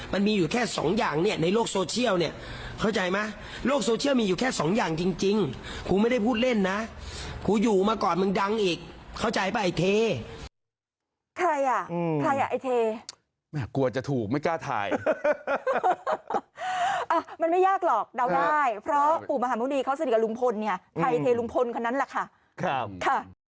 มันไม่ยากหรอกเดาได้เพราะปู่มหัวหนุ่มดีเข้าสนิกกับลุงพลไทเทลุงพลคนนั้นแหละค่ะ